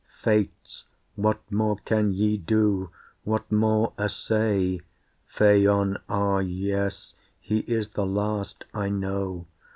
Fates! What more can ye do, what more essay? Phaon! ah yes, he is the last, I know.